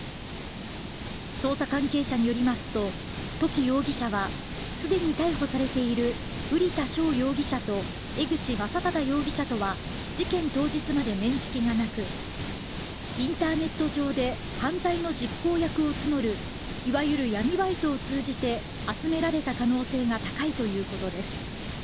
捜査関係者によりますと土岐容疑者はすでに逮捕されている瓜田翔容疑者と江口将匡容疑者とは事件当日まで面識がなくインターネット上で犯罪の実行役を募るいわゆる闇バイトを通じて集められた可能性が高いということです。